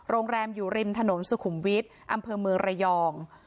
โรงแรมอยู่ริมถนนสุขุมวิทย์อำเภอเมืองระยอง